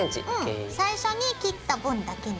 最初に切った分だけに。